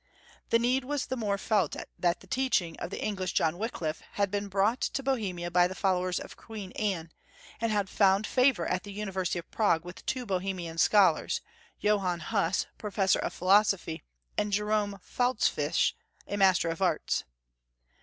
The need was the more felt that the teaching, of the English John Wickliffe had been brought to Bohemia by the followers of Queen Anne, and had found favor at the University of Prague with two Bohemian scholars, Johann Huss, professor of philosophy, and Jerome Faulfisch, a master of arts.